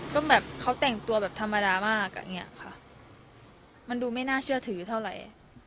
ก็แบบเขาแต่งตัวแบบธรรมดามากมันดูไม่น่าเชื่อถือเท่าไหร่